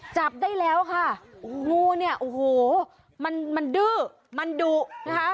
จับได้แล้วค่ะงูเนี่ยโอ้โหมันมันดื้อมันดุนะคะ